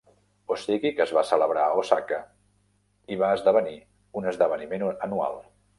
O sigui que es va celebrar a Osaka i va esdevenir un esdeveniment anual.